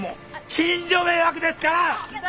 近所迷惑ですから！